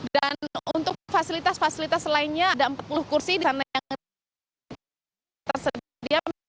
dan untuk fasilitas fasilitas lainnya ada empat puluh kursi di sana yang tersedia